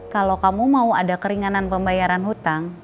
kalau kamu mau ada keringanan pembayaran hutang